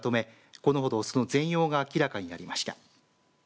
このほど、その全容が明らかになりました。